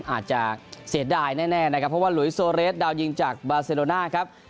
อาจจะเสียดายแน่นะครับเพราะว่าหลุยโซเรสดาวยิงจากบาเซโลน่าครับ